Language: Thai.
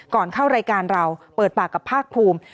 ก่อนเข้ารายการเราเปิดปากกับภาคภูมิ